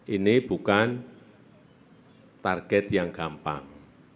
ini bukan target yang gampang